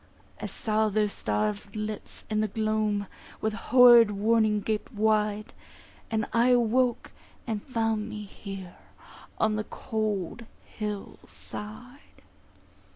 I saw their starved lips in the gloam With horrid warning gaped wide, And I awoke, and found me here On the cold hill side.